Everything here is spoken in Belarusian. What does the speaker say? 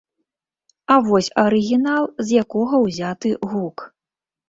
А вось арыгінал, з якога ўзяты гук.